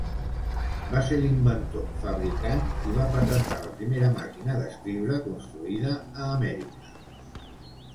Va ser l'inventor, fabricant i va patentar la primera màquina d'escriure construïda a Amèrica.